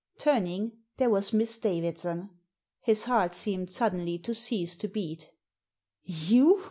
Turning, there was Miss Davidson. His heart seemed suddenly to cease to beat " You